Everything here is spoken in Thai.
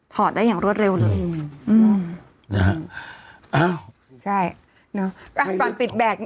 ถอดได้อย่างรวดเร็วเลย